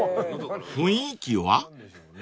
［「雰囲気は」？］